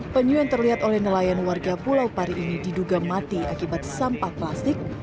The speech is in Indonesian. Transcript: penyu yang terlihat oleh nelayan warga pulau pari ini diduga mati akibat sampah plastik